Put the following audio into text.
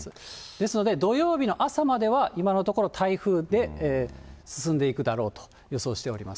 ですので、土曜日の朝までは、今のところ、台風で進んでいくだろうと予想しています。